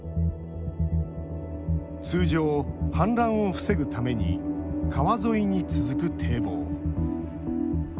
通常、氾濫を防ぐために川沿いに続く堤防。